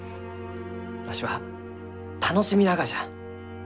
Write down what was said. わしは楽しみながじゃ。